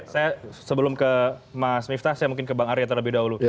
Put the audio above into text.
saya sebelum ke mas miftah saya mungkin ke bang arya terlebih dahulu